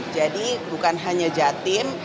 jadi bukan hanya jatim